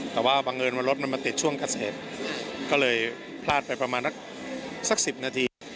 แต่ว่าบังเอิญว่ารถมันมาติดช่วงเกษตรก็เลยพลาดไปประมาณสัก๑๐นาที